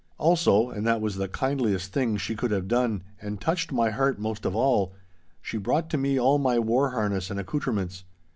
Also (and that was the kindliest thing she could have done, and touched my heart most of all), she brought to me all my war harness and accoutrements.